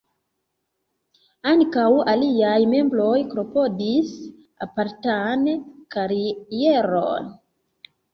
Ankaŭ aliaj membroj klopodis apartan karieron.